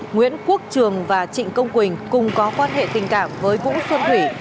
nguyễn quốc trường và trịnh công quỳnh cùng có quan hệ tình cảm với vũ xuân thủy